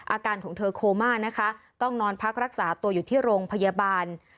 อาการของเธอโคม่านะคะต้องนอนพักรักษาตัวอยู่ที่โรงพยาบาล